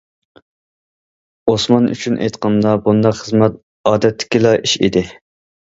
ئوسمان ئۈچۈن ئېيتقاندا، بۇنداق خىزمەت ئادەتتىكىلا ئىش ئىدى.